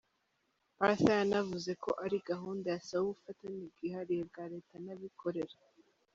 Partha yanavuze ko ari gahunda yasaba ubufatanye bwihariye bwa leta n’abikorera.